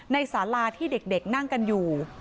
สาราที่เด็กนั่งกันอยู่